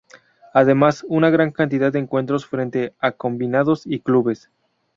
Además, una gran cantidad de encuentros frente a combinados y clubes.